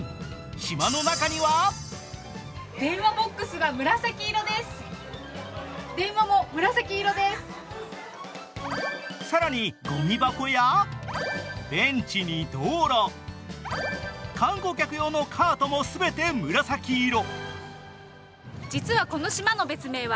島の中には更にごみ箱やベンチに道路、観光客用のカートもすべて紫色。